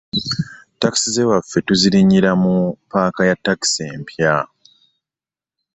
Taxi zewaffe tuzirinyira mu paaka ya taxi empya.